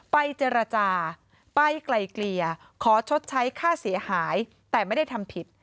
ไปเจรจาไปไกลเกลี่ยขอชดใช้ค่าเสียหายแต่ไม่ได้ทำผิด